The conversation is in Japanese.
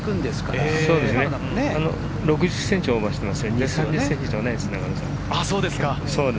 ６０ｃｍオーバーしています。